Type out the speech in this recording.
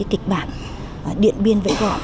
kịch bản điện biên vẫy gọi